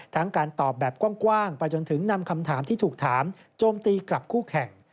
การตอบแบบกว้างไปจนถึงนำคำถามที่ถูกถามโจมตีกลับคู่แข่ง